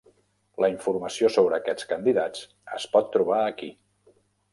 La informació sobre aquests candidats es pot trobar aquí.